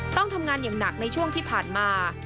ต้องทำงานอย่างหนักในช่วงที่ผ่านมา